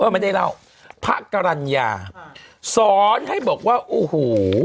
ไม่ได้เล่าพระกรรณญาสอนให้บอกว่าโอ้โห